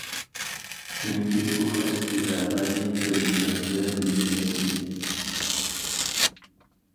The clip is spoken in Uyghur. چۈنكى ئۇ ئەسلى ۋەقەنى كۆرمىگەن ۋە بىلمىگەن ئىدى.